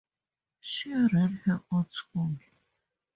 She ran her own school.